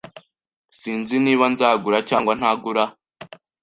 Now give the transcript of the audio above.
Sinzi niba nzagura cyangwa ntagura.